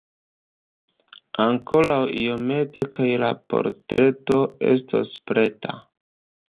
Ankoraŭ iomete kaj la portreto estos preta.